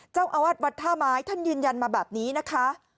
เจ้าอาวาสวัดท่าไม้ท่านยืนยันมาแบบนี้นะคะ